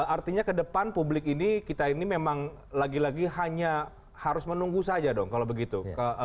artinya ke depan publik ini kita ini memang lagi lagi hanya harus menunggu saja dong kalau begitu